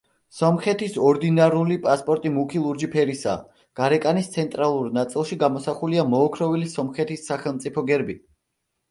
სომხეთის ორდინარული პასპორტი მუქი ლურჯი ფერისაა, გარეკანის ცენტრალურ ნაწილში გამოსახულია მოოქროვილი სომხეთის სახელმწიფო გერბი.